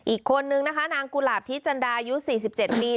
อีกคนนึงนะคะนางกุหลาบทิจันดาอายุ๔๗ปี